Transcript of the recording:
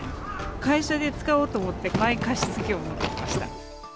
会社で使おうと思ってマイ加湿器を持ってきました。